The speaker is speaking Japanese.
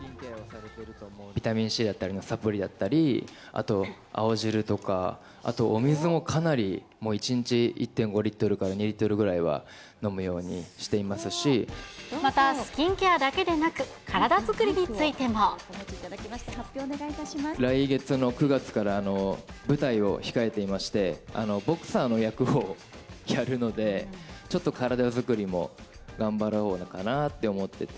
ビタミンＣだったり、サプリだったり、あと青汁とか、あとお水もかなり、もう１日１．５リットルから２リットルぐらいは飲むようにしていまたスキンケアだけでなく、来月の９月から、舞台を控えていまして、ボクサーの役をやるので、ちょっと体作りも頑張ろうかなって思ってて。